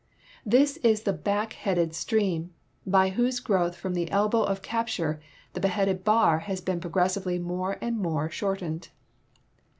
This is the back handed stream by Avhose growth from the elbow of cap ture the beheaded Bar has been progressively more and more shortened.